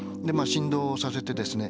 振動をさせてですね